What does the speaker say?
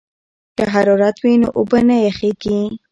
که حرارت وي نو اوبه نه یخیږي.